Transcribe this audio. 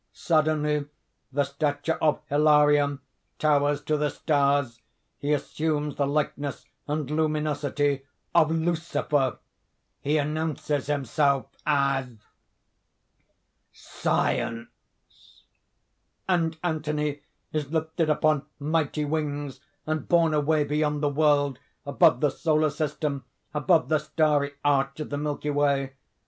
Suddenly the stature of Hilarion towers to the stars; he assumes the likeness and luminosity of Lucifer; he announces himself as SCIENCE And Anthony is lifted upon mighty wings and borne away beyond the world, above the solar system, above the starry arch of the Milky Way.